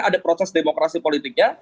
ada proses demokrasi politiknya